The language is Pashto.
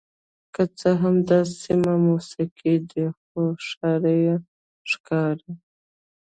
که څه هم دا سیمې موسمي دي خو ښاري ښکاري